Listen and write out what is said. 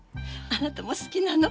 あなたも好きなの？